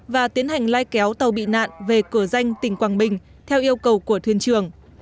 và tiến hành lai kéo tàu bị nạn về cửa danh tỉnh quảng bình theo yêu cầu của thuyền trường